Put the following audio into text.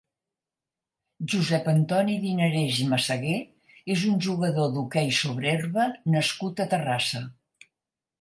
Josep Antoni Dinarés i Massagué és un jugador d'hoquei sobre herba nascut a Terrassa.